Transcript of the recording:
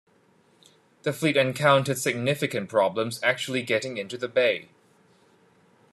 The fleet encountered significant problems actually getting into the bay.